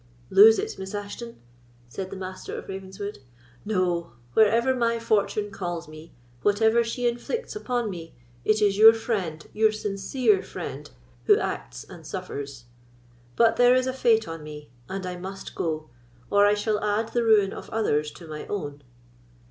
"Lose it, Miss Ashton!" said the Master of Ravenswood. "No; wherever my fortune calls me—whatever she inflicts upon me—it is your friend—your sincere friend, who acts or suffers. But there is a fate on me, and I must go, or I shall add the ruin of others to my own."